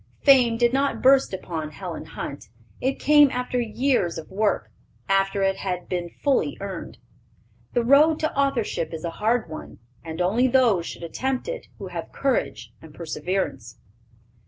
Fame did not burst upon Helen Hunt; it came after years of work, after it had been fully earned. The road to authorship is a hard one, and only those should attempt it who have courage and perseverance.